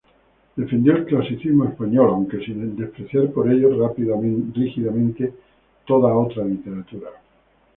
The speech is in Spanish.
Defendió el clasicismo español, aunque sin despreciar por ello rígidamente toda otra literatura.